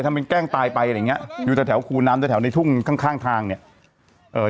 ถ้าเป็นแกล้งตายไปอะไรอย่างเงี้ยอยู่แต่แถวคูน้ำแต่แถวในทุ่งข้างข้างทางเนี้ยเอ่อ